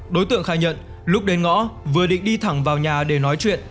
đối tượng khai nhận lúc đến ngõ vừa định đi thẳng vào nhà để nói chuyện